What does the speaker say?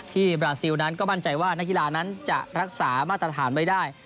บราซิลนั้นก็มั่นใจว่านักกีฬานั้นจะรักษามาตรฐานไว้ได้